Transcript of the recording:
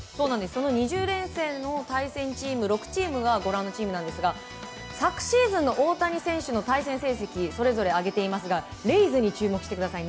その２０連戦の対戦チーム、６チームがご覧のチームなんですが昨シーズンの大谷選手との対戦成績レイズに注目してください。